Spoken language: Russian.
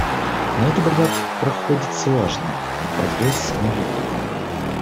Но эта борьба проходит сложно, и прогресс невелик.